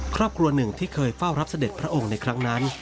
ครอบครัวหนึ่งที่เคยเฝ้ารับเสด็จพระองค์ในครั้งนั้น